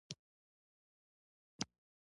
د ساحې وچې ځینې برخې تر اوبو لاندې شوې.